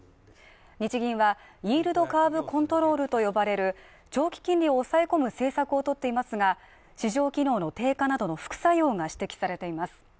日銀は、イールドカーブコントロールと呼ばれる長期金利を抑え込む政策をとっていますが市場機能の低下などの副作用が指摘されています。